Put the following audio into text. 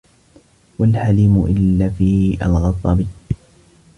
وَالْحَلِيمُ إلَّا فِي الْغَضَبِ